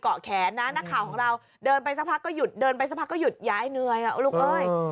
แขนนะนักข่าวของเราเดินไปสักพักก็หยุดเดินไปสักพักก็หยุดย้ายเหนื่อยลูกเอ้ย